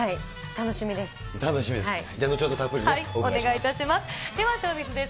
楽しみです。